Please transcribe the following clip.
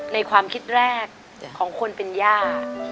ในความคิดแรกของคนเป็นย่า